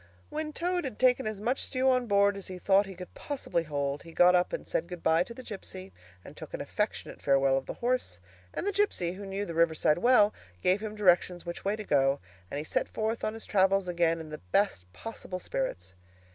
When Toad had taken as much stew on board as he thought he could possibly hold, he got up and said good bye to the gipsy, and took an affectionate farewell of the horse; and the gipsy, who knew the riverside well, gave him directions which way to go, and he set forth on his travels again in the best possible spirits.